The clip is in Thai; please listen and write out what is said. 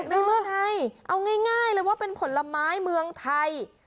ในเมืองไทยเอาง่ายเลยว่าเป็นผลไม้เมืองไทย